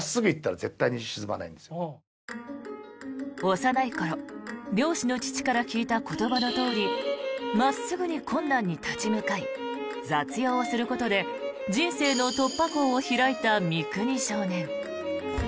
幼い頃漁師の父から聞いた言葉のとおり真っすぐに困難に立ち向かい雑用をすることで人生の突破口を開いた三國少年。